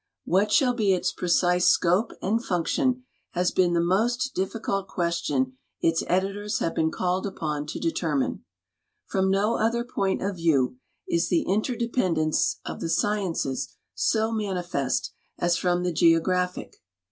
What shall be its precise scope and func tion has been the most difficult question its editors have been called upon to^ete^Tnine. From no other point of view is the in terdependence of the sciences so manifest as from the geographic.